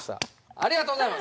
ありがとうございます。